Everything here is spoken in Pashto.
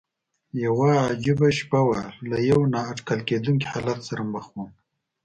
یوه عجیبه شپه وه، له یوه نا اټکل کېدونکي حالت سره مخ ووم.